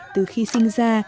từ khi sinh ra